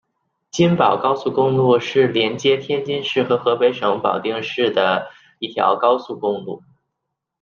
津保高速公路是连接天津市和河北省保定市的一条高速公路。